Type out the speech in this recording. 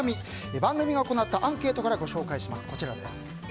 番組が行ったアンケートからご紹介します。